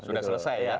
sudah selesai ya